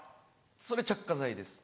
それ着火剤です。